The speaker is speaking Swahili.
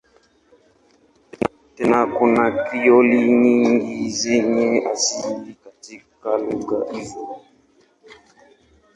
Tena kuna Krioli nyingi zenye asili katika lugha hizo.